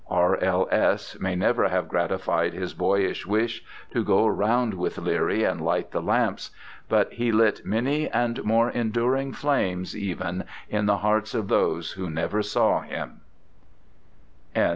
R.L.S. may never have gratified his boyish wish to go round with Leerie and light the lamps, but he lit many and more enduring flames even in the hearts of those who never saw him.